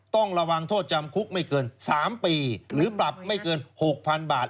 ต้องระวังโทษจำคุกไม่เกิน๓ปีหรือปรับไม่เกิน๖๐๐๐บาท